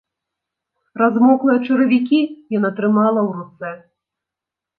Размоклыя чаравікі яна трымала ў руцэ.